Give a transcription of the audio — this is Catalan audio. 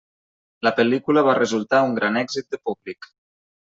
La pel·lícula va resultar un gran èxit de públic.